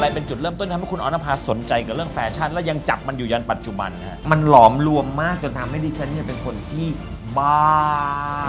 เป็นจุดเริ่มต้นทำให้คุณออนภาสนใจกับเรื่องแฟชั่นแล้วยังจับมันอยู่ยันปัจจุบันมันหลอมรวมมากจนทำให้ดิฉันเนี่ยเป็นคนที่บ้า